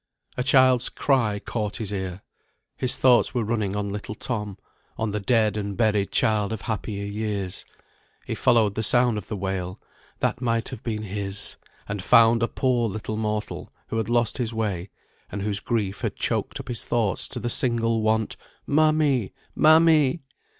A child's cry caught his ear. His thoughts were running on little Tom; on the dead and buried child of happier years. He followed the sound of the wail, that might have been his, and found a poor little mortal, who had lost his way, and whose grief had choked up his thoughts to the single want, "Mammy, mammy."